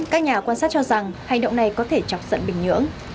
các nhà quan sát cho rằng hành động này có thể chọc giận bình nhưỡng